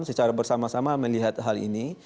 secara bersama sama melihat hal ini